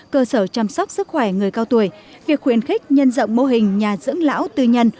cơ sở chăm sóc sức khỏe người cao tuổi việc khuyến khích nhân dọng mô hình nhà dưỡng lão tư nhân